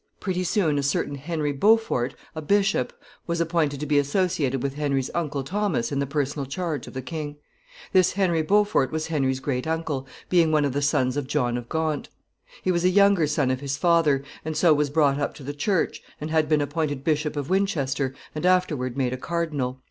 Pretty soon a certain Henry Beaufort, a bishop, was appointed to be associated with Henry's uncle Thomas in the personal charge of the king. This Henry Beaufort was Henry's great uncle, being one of the sons of John of Gaunt. He was a younger son of his father, and so was brought up to the Church, and had been appointed Bishop of Winchester, and afterward made a cardinal.